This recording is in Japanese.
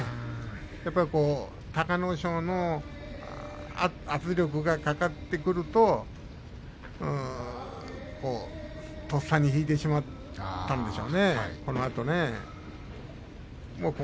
やはり隆の勝の圧力が加わってくるととっさに引いてしまったんでしょうね。